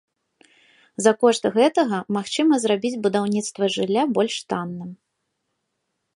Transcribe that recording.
За кошт гэтага магчыма зрабіць будаўніцтва жылля больш танным.